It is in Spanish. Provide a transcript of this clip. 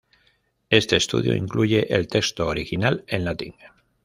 Este estudio incluye el texto original en latín.